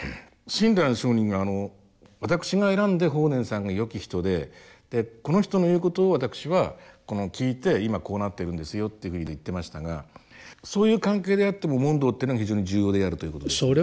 親鸞聖人が私が選んで法然さんが「よき人」でこの人の言うことを私は聞いて今こうなってるんですよっていうふうに言ってましたがそういう関係であっても問答っていうのは非常に重要であるということですか？